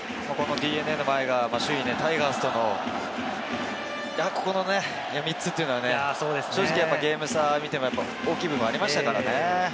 ＤｅＮＡの場合、首位・タイガースとのここの３つというのはね、正直ゲーム差を見ても大きい部分がありましたからね。